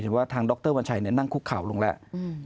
ใครที่ดูว่าดรบรรชัยนั้นนะคะวล้วงแล้ว